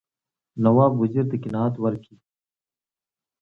نواب وزیر ته قناعت ورکړي.